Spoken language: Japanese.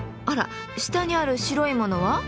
あら下にある白いものは？